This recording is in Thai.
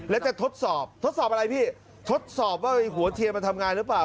แล้วจะทดสอบทดสอบอะไรพี่ทดสอบว่าหัวเทียนมันทำงานหรือเปล่า